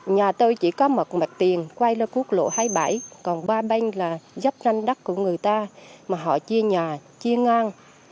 nhà tôi chỉ có một mặt tiền quay ra quốc lộ hai mươi bảy còn ba bên là dắp ranh đất của người ta mà họ chia nhà chia ngang